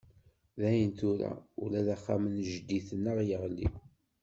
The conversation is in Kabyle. Dayen tura, ula d axxam n jeddi-tneɣ yeɣli.